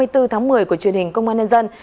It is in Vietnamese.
tháng một mươi của truyền hình công an nhân dân